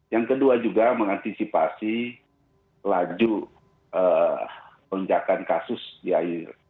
yang kedua juga mengantisipasi laju lonjakan kasus di air